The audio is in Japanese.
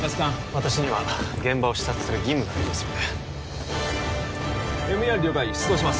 私には現場を視察する義務がありますのでＭＥＲ了解出動します